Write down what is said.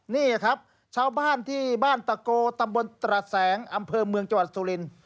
นี่ครับชาวบ้านที่บ้านตะโกตำบลตระแสงอำเภอเมืองจังหวัดสุรินทร์